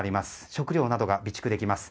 食料などが備蓄できます。